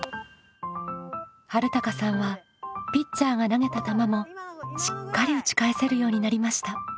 はるたかさんはピッチャーが投げた球もしっかり打ち返せるようになりました。